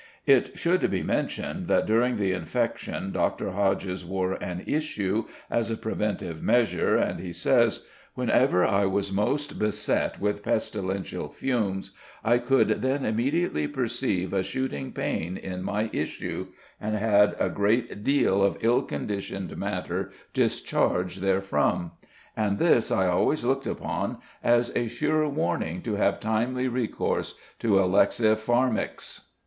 It should be mentioned that during the infection Dr. Hodges wore an "issue" as a preventive measure, and he says: "Whenever I was most beset with pestilential fumes I could then immediately perceive a shooting pain in my issue, and had a great deal of ill conditioned matter discharge therefrom; and this I always looked upon as a sure warning to have timely recourse to alexipharmicks."